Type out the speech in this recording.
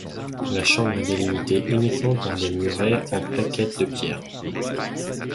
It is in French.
La chambre est délimitée uniquement par des murets en plaquettes de pierre.